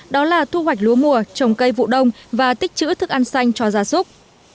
đó là thu hoạch lúa mùa trồng cây vụ đông và tích chữ thức ăn xanh cho gia súc